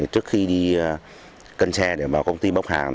trước khi đi cân xe để vào công ty bốc hàng